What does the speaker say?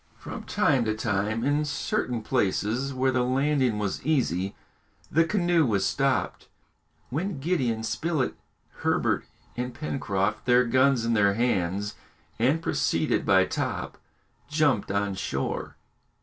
From time to time, in certain places where the landing was easy, the canoe was stopped, when Gideon Spilett, Herbert, and Pencroft, their guns in their hands, and preceded by Top, jumped on shore.